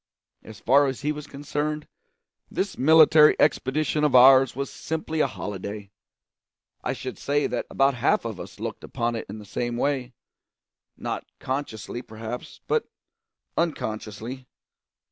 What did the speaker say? As far as he was concerned, this military expedition of ours was simply a holiday. I should say that about half of us looked upon it in the same way; not consciously, perhaps, but unconsciously.